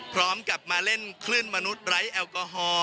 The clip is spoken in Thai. พร้อมกับมาเล่นคลื่นมนุษย์ไร้แอลกอฮอล์